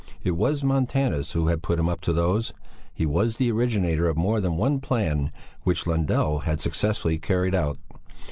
It was Montanus who had put him up to those; he was the originator of more than one plan which Lundell had successfully carried out.